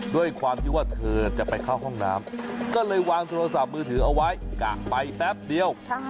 ด้วยความที่ว่าเธอจะไปเข้าห้องน้ำก็เลยวางโทรศัพท์มือถือเอาไว้กะไปแป๊บเดียว